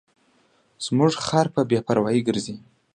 زموږ خر په بې پروایۍ ګرځي.